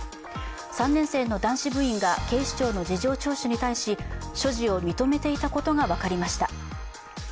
３年生の男子部員が警視庁の事情聴取に対し所持を認めていたことが分かりました。